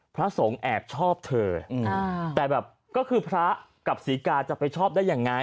พระสงฆ์แอบชอบเธอแต่แบบก็คือพระกับศรีกาจะไปชอบได้ยังไง